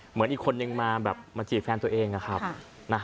เหมือนอีกคนนึงมาแบบมาจีบแฟนตัวเองนะครับ